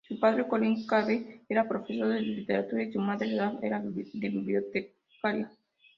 Su padre, Colin Cave, era profesor de literatura y su madre, Dawn, era bibliotecaria.